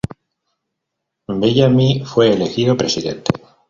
Bellamy fue elegido presidente.